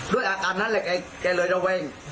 ด้วยอาการนั้นแหละแกเลยระแวง